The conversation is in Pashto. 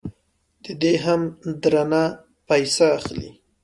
ددې هم درنه پیسې اخلي.